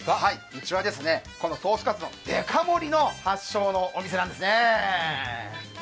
うちはですね、このソースカツ丼、デカ盛りの発祥のお店なんですね。